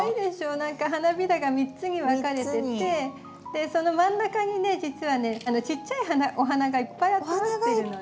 何か花びらが３つに分かれててその真ん中にね実はねちっちゃいお花がいっぱい集まってるのね。